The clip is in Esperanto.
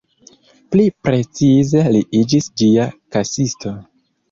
Pli precize, li iĝis ĝia kasisto.